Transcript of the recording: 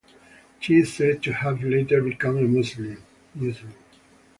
She is said to have later become a Muslim.